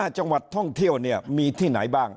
จังหวัดท่องเที่ยวมีที่ไหนบ้าง